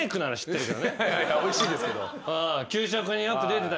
おいしいですけど。